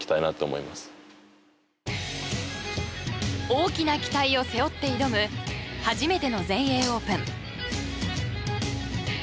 大きな期待を背負って挑む初めての全英オープン。